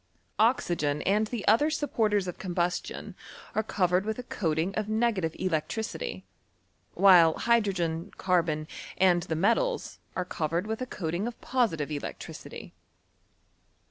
Oxygen and the other supporters of combustion are covered with a coating of n^;ative electricity ; while hydrogen, carbon, and the metals, are covered with a coating of positive electricity.